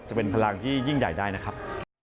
จะเป็นพลังที่ยิ่งใหญ่ได้นะครับ